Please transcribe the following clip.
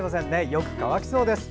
よく乾きそうです。